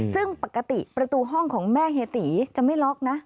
ซึ่งปกติประตูห้องของแม่เฮียตีจะไม่ล็อกนะ